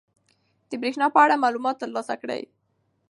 د بریښنا په اړه معلومات ترلاسه کړئ.